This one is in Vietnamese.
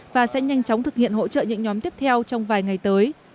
và sẽ nhanh chóng thực hiện hỗ trợ những nhóm tiếp theo trong vài ngày tới